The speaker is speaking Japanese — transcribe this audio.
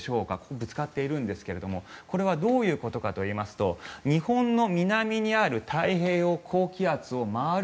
ぶつかっているんですがこれはどういうことかというと日本の南にある太平洋高気圧を回る